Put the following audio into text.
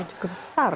cukup besar ya